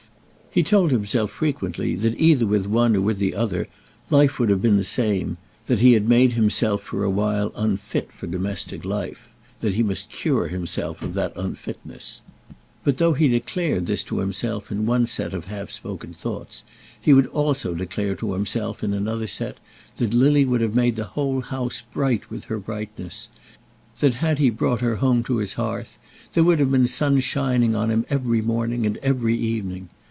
He told himself frequently that either with one or with the other life would have been the same; that he had made himself for a while unfit for domestic life, and that he must cure himself of that unfitness. But though he declared this to himself in one set of half spoken thoughts, he would also declare to himself in another set, that Lily would have made the whole house bright with her brightness; that had he brought her home to his hearth, there would have been a sun shining on him every morning and every evening.